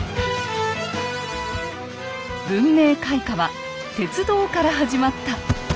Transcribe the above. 文明開化は鉄道から始まった。